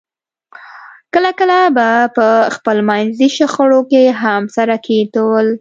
کله کله به په خپلمنځي شخړو کې هم سره کېوتل